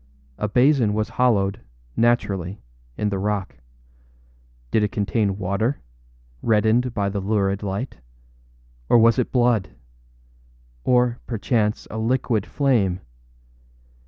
A basin was hollowed, naturally, in the rock. Did it contain water, reddened by the lurid light? or was it blood? or, perchance, a liquid flame?